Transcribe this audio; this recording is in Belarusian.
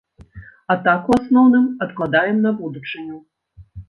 А так, у асноўным, адкладаем, на будучыню.